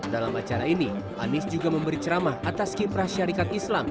dalam acara ini anies juga memberi ceramah atas kiprah syarikat islam